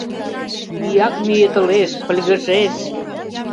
Ӱяк-мӱедылеш, пыльгыжеш.